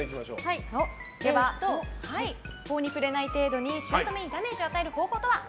法に触れない程度に姑にダメージを与える方法とは。